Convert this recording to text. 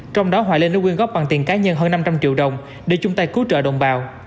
trong đó hoài linh đã quyên góp bằng tiền cá nhân hơn năm trăm linh triệu đồng để chung tay cứu trợ đồng bào